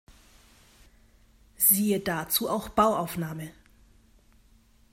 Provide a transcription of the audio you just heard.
Siehe dazu auch Bauaufnahme.